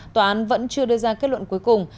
tòa án vẫn chưa đưa ra kết luận cuối cùng